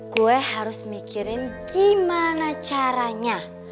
gue harus mikirin gimana caranya